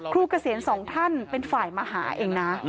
เกษียณสองท่านเป็นฝ่ายมาหาเองนะ